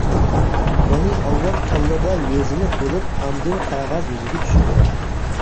يەنى ئاۋۋال كاللىدا يېزىلىپ بولۇپ، ئاندىن قەغەز يۈزىگە چۈشىدۇ.